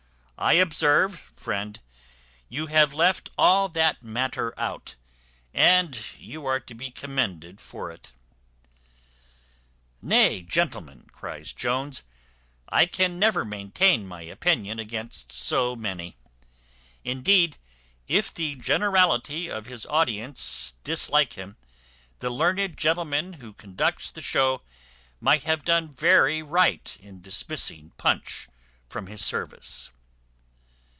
I observe, friend, you have left all that matter out, and you are to be commended for it." "Nay, gentlemen," cries Jones, "I can never maintain my opinion against so many; indeed, if the generality of his audience dislike him, the learned gentleman who conducts the show might have done very right in dismissing Punch from his service."